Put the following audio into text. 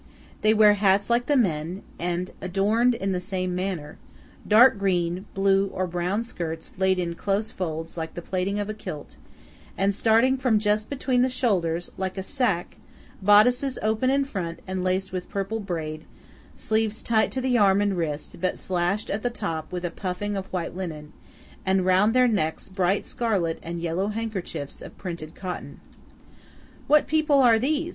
They wear hats like the men, and adorned in the same manner; dark green, blue, or brown skirts laid in close folds like the plaiting of a kilt, and starting from just between the shoulders, like a sacque; bodices open in front and laced with purple braid; sleeves tight to the arm and wrist, but slashed at the top with a puffing of white linen; and round their necks bright scarlet and yellow handkerchiefs of printed cotton. "What people are these?"